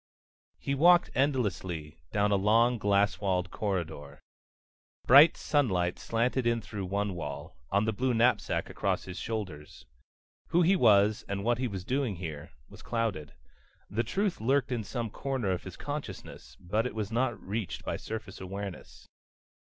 Illustrated by DILLON He was walking endlessly down a long, glass walled corridor. Bright sunlight slanted in through one wall, on the blue knapsack across his shoulders. Who he was, and what he was doing here, was clouded. The truth lurked in some corner of his consciousness, but it was not reached by surface awareness.